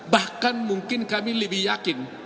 bahkan mungkin kami lebih yakin